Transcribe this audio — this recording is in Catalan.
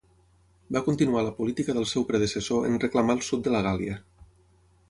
Va continuar la política del seu predecessor en reclamar el sud de la Gàl·lia.